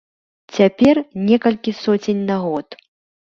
Цяпер некалькі соцень на год.